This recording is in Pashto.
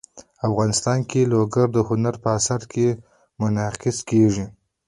افغانستان کې لوگر د هنر په اثار کې منعکس کېږي.